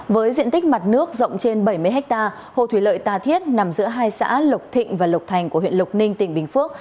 với diện tích mặt nước rộng trên bảy mươi ha hồ thủy lợi tà thiết nằm giữa hai xã lộc thịnh và lộc thành của huyện lộc ninh tỉnh bình phước